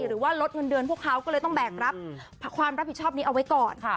หรือว่าลดเงินเดือนพวกเขาก็เลยต้องแบกรับความรับผิดชอบนี้เอาไว้ก่อน